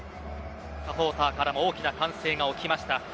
サポーターからも大きな歓声が起きました。